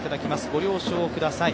ご了承ください。